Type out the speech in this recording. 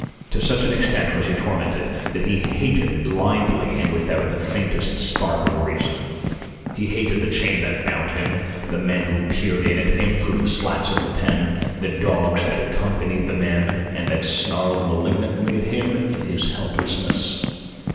To such an extent was he tormented, that he hated blindly and without the faintest spark of reason. He hated the chain that bound him, the men who peered in at him through the slats of the pen, the dogs that accompanied the men and that snarled malignantly at him in his helplessness.